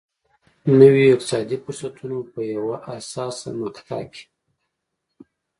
نویو اقتصادي فرصتونو په یوه حساسه مقطعه کې.